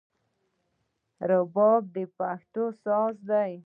رباب د پښتو ساز دی